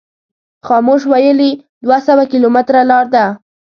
خاموش ویلي دوه سوه کیلومتره لار ده.